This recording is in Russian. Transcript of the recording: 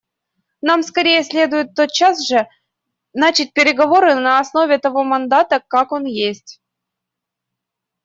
Нам скорее следует тотчас же начать переговоры на основе того мандата как он есть.